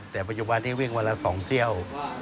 แต่ปัจจุบันนี้วิ่งวันละ๒เที่ยว